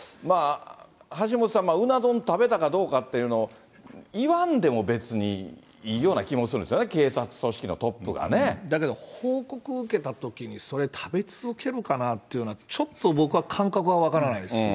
橋下さん、うな丼食べたかどうかというの、言わんでも別にいいような気もするんですよね、警察組だけど、報告を受けたときに、それ食べ続けるかなっていうのは、ちょっと僕は感覚は分からないです。